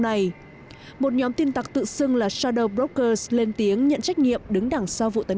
này một nhóm tin tạc tự xưng là shadow brokers lên tiếng nhận trách nhiệm đứng đằng sau vụ tấn